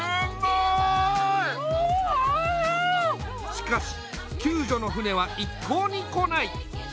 しかし救助の船は一向に来ない。